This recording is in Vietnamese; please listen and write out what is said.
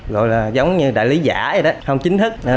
rồi là giống như đại lý giả vậy đó không chính thức